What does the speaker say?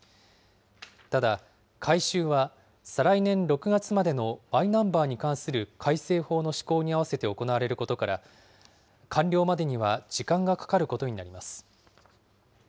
ただ、改修は再来年６月までのマイナンバーに関する改正法の施行に合わせて行われることから、完了までには時間がかかることになります。